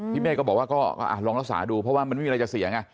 เมฆก็บอกว่าก็ลองรักษาดูเพราะว่ามันไม่มีอะไรจะเสียไง